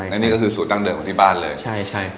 และนี่ก็คือส่วนตั้งเดิมของที่บ้านเลย